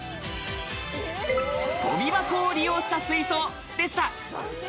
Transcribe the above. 跳び箱を利用した水槽でした。